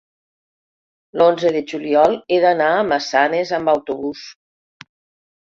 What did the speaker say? l'onze de juliol he d'anar a Massanes amb autobús.